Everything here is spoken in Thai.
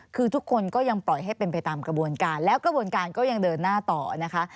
คือทุกคนก็ยังปล่อยให้เป็นไปตามกระบวนการแล้วกระบวนการก็ยังเดินหน้าต่อนะคะ